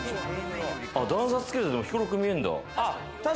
段差つけると広く見えるんだ。